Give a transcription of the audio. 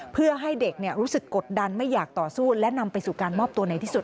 เพื่อให้เด็กรู้สึกกดดันไม่อยากต่อสู้และนำไปสู่การมอบตัวในที่สุด